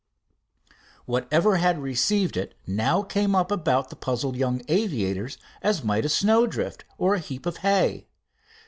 Whatever had received it now came up about the puzzled young aviators as might a snowdrift or it heap of hay.